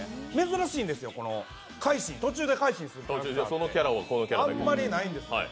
珍しいんですよ、途中で改心するってあんまりないんです。